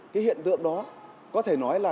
cái hiện tượng đó có thể nói là